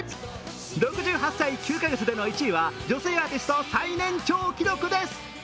６８歳９か月の１位では、女性アーティスト最年長の記録です。